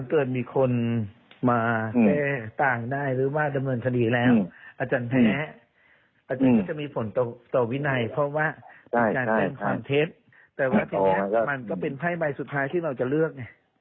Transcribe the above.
ทีนี้มันก็เป็นไพ่ใบสุดท้ายที่เราจะเลือก